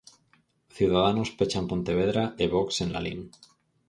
Ciudadanos pecha en Pontevedra e Vox en Lalín.